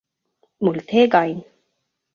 Multegajn!